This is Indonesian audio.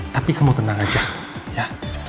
tapi kamu tenang aja ya